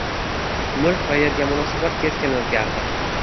Mulk va yerga munosabat keskin oʻzgardi.